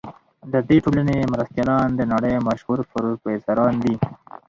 د دې ټولنې مرستیالان د نړۍ مشهور پروفیسوران دي.